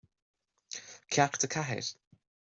Ceacht a Ceathair